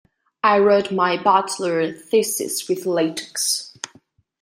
I wrote my bachelor thesis with latex.